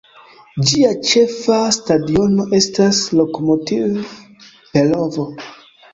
Ĝia ĉefa stadiono estas Lokomotiv-Perovo.